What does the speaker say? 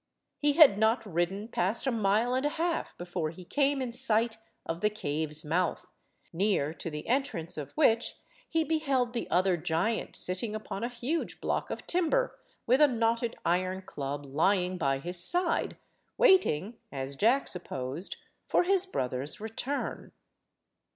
He had not ridden past a mile and a half before he came in sight of the cave's mouth, near to the entrance of which he beheld the other giant sitting upon a huge block of timber with a knotted iron club lying by his side, waiting, as Jack supposed, for his brother's return.